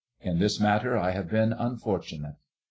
In this matter I have been unfortunate."